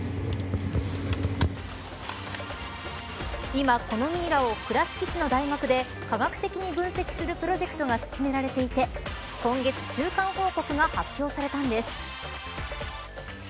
今、このミイラを倉敷市の大学で科学的に分析するプロジェクトが進められていて今月、中間報告が発表されたのです。